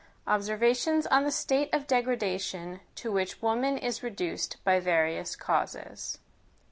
OBSERVATIONS ON THE STATE OF DEGRADATION TO WHICH WOMAN IS REDUCED BY VARIOUS CAUSES.